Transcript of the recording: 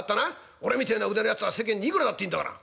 俺みてえな腕のやつは世間にいくらだっているんだから。